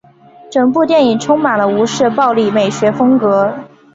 整部电影充满了吴氏暴力美学风格。